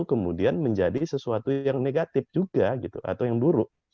kemudian menjadi sesuatu yang negatif juga gitu atau yang buruk